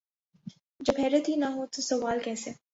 جب حیرت ہی نہ ہو تو سوال کیسے؟